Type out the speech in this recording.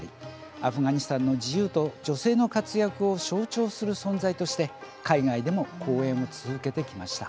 アフガニスタンの自由と女性の活躍を象徴する存在として海外でも公演を続けてきました。